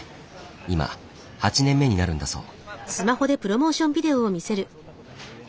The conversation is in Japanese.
今８年目になるんだそう。